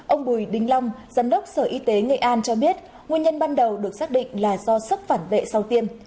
ông bùi đinh long giám đốc sở y tế nghệ an cho biết nguyên nhân ban đầu được xác định là do sức phản vệ sau tiêm